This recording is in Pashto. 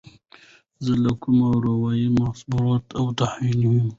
زه له كومه راوړم صبوري او تحمل